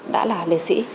đã là liệt sĩ